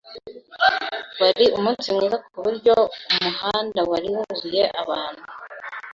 Wari umunsi mwiza kuburyo umuhanda wari wuzuye abantu.